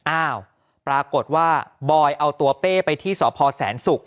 อ้าวปรากฏว่าบอยเอาตัวเป้ไปที่สพแสนศุกร์